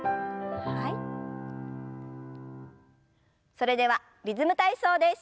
それでは「リズム体操」です。